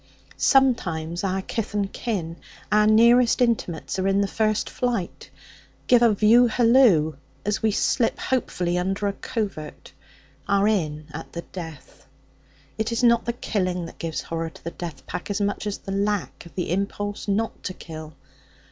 Sometimes our kith and kin, our nearest intimates, are in the first flight; give a view hallo as we slip hopefully under a covert; are in at the death. It is not the killing that gives horror to the death pack so much as the lack of the impulse not to kill.